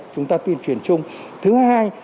chúng ta tuyên truyền chung thứ hai